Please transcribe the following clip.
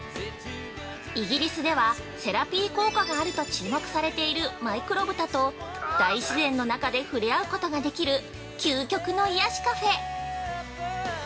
イギリスではセラピー効果があると注目されているマイクロ豚と大自然の中で触れ合うことができる究極の癒やしカフェ。